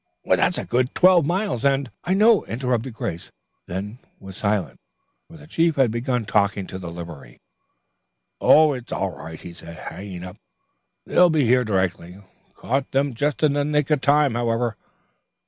"Why that's a good twelve miles and " "I know," interrupted Grace, then was silent, for the chief had begun talking to the livery. "It's all right," he said, hanging up. "They'll be here directly. Caught them just in the nick of time, however.